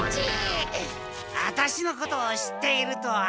ワタシのことを知っているとは。